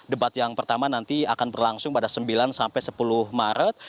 debat yang pertama nanti akan berlangsung pada sembilan sampai sepuluh maret